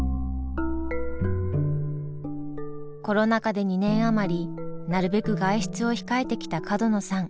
コロナ禍で２年余りなるべく外出を控えてきた角野さん。